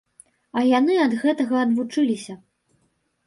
А яны ад гэтага адвучыліся.